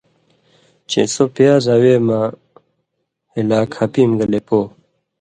چے سو پیازاں وے مہ ہِلاک ہپیم گلے پو۔